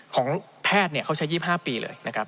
ของแพทย์เขาใช้๒๕ปีเลย